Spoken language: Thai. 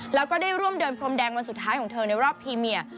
แล้วก็ได้ร่วมเดินพรมแดงวันสุดท้ายของเธอในรอบพรีเมีย